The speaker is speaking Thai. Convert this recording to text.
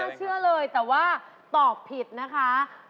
เชื่อเลยแต่ว่าตอบผิดนะคะ